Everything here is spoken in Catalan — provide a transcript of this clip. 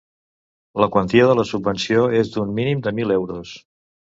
La quantia de la subvenció és d'un mínim de mil euros.